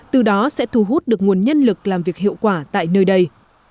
từ đó sẽ thu hút được nguồn nhân lực làm việc hiệu quả tại nơi đây